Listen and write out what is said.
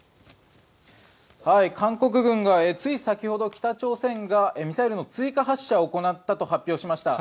韓国軍が、つい先ほど北朝鮮がミサイルの追加発射を行ったと発表しました。